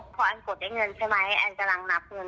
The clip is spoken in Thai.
พออันกดเงินใช่ไหมแอร์กำลังนับเงิน